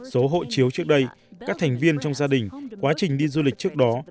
số hộ chiếu trước đây các thành viên trong gia đình quá trình đi du lịch trước đó